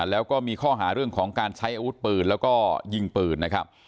แล้วก็มีข้อหาเรื่องของการใช้อาวุธปืนแล้วก็ยิงปืนนะครับ